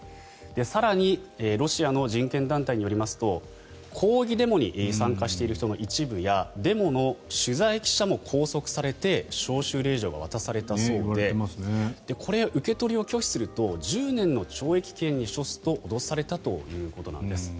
更にロシアの人権団体によりますと抗議デモに参加している人の一部やデモの取材記者も拘束されて招集令状が渡されたそうでこれ、受け取りを拒否すると１０年の懲役刑に処すと脅されたということです。